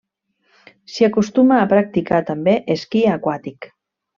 S'hi acostuma a practicar també esquí aquàtic.